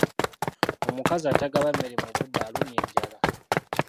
Omukazi atagaba mmere mu budde alumya enjala.